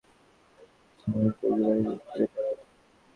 কিন্তু বিদ্যালয়ের সামনে সড়ক পার হওয়ার সময় একটি ইজিবাইক তাকে ধাক্কা দেয়।